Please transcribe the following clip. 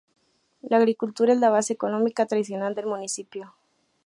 La agricultura es la base económica tradicional del municipio.